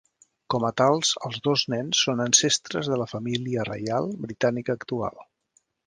Com a tals, els dos nens són ancestres de la família reial britànica actual.